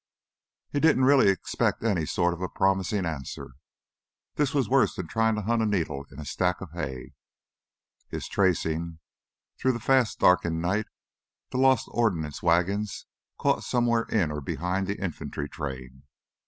He didn't really expect any sort of a promising answer. This was worse than trying to hunt a needle in a stack of hay, this tracing through the fast darkening night the lost ordnance wagons, caught somewhere in or behind the infantry train.